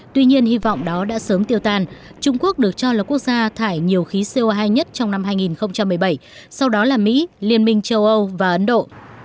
tuy nhiên hy vọng đó đã sớm tiêu tan trung quốc được cho là quốc gia thải nhiều khí co hai nhất trong năm hai nghìn một mươi bảy sau đó là mỹ liên minh châu âu và ấn độ